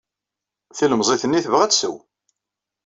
Tilemẓit-nni tebɣa ad tsew.